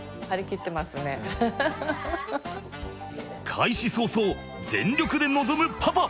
開始早々全力で臨むパパ。